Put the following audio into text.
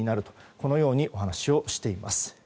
このようにお話をされています。